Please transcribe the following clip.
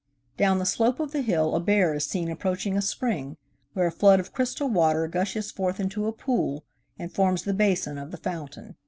Down the slope of the hill a bear is seen approaching a spring where a flood of crystal water gushes forth into a pool and forms the basin of the fountain.